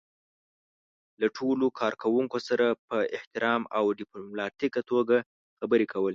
له ټولو کار کوونکو سره په احترام او ډيپلوماتيکه توګه خبرې کول.